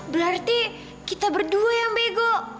berarti kita berdua yang bego